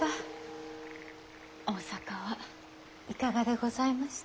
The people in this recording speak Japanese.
大坂はいかがでございました？